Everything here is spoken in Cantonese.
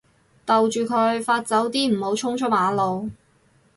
逗住佢發酒癲唔好衝出馬路